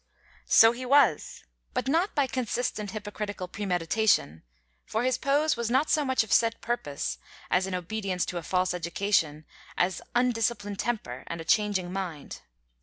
] So he was, but not by consistent hypocritical premeditation; for his pose was not so much of set purpose as in obedience to a false education, an undisciplined temper, and a changing mind.